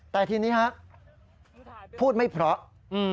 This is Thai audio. แต่ทีนี้ฮะพูดไม่เพราะ